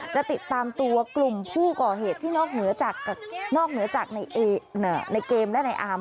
จะติดตามตัวกลุ่มผู้ก่อเหตุที่นอกเหนือจากนอกเหนือจากในเกมและในอาร์ม